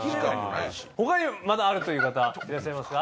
他にまだあるという方いらっしゃいますか？